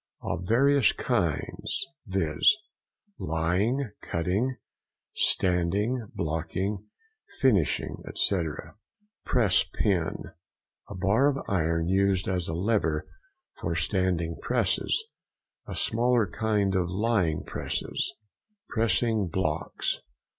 —Of various kinds, viz.: lying, cutting, standing, blocking, finishing, etc. PRESS PIN.—A bar of iron used as a lever for standing presses; a smaller kind for lying presses. PRESSING BLOCKS.